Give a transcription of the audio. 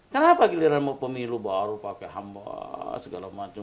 kenapa giliran pemilu baru pakai hamba segala macam